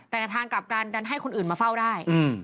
แต่ทางกลับกันดันให้คนอื่นมาเฝ้าได้